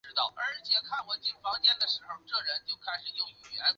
何无忌的儿子。